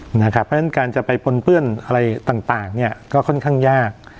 เพราะฉะนั้นการจะไปปนเปื้อนอะไรต่างก็ค่อนข้างยาก